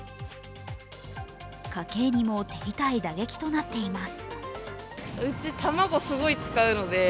家計にも手痛い打撃となっています。